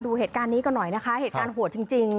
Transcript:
ดูเหตุการณ์นี้กันหน่อยนะคะเหตุการณ์โหดจริง